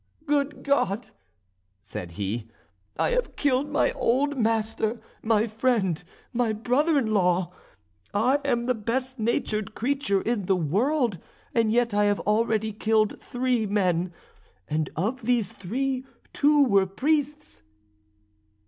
"Good God!" said he, "I have killed my old master, my friend, my brother in law! I am the best natured creature in the world, and yet I have already killed three men, and of these three two were priests."